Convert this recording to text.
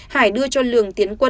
hải đưa cho lường tiến quân